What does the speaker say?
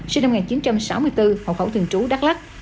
sinh năm một nghìn chín trăm sáu mươi bốn hộ khẩu thường trú đắk lắc